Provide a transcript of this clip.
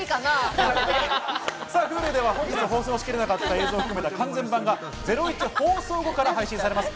Ｈｕｌｕでは本日は放送しきれなかった映像を含めた完全版が『ゼロイチ』放送後から配信されます。